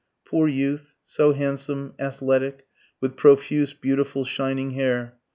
Poor youth, so handsome, athletic, with profuse beautiful shining hair.